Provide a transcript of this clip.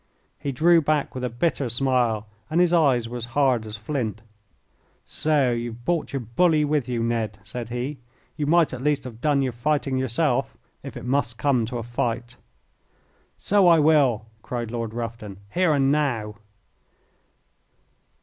He drew back with a bitter smile and his eyes were as hard as flint. "So you've brought your bully with you, Ned?" said he. "You might at least have done your fighting yourself, if it must come to a fight." "So I will," cried Lord Rufton. "Here and now."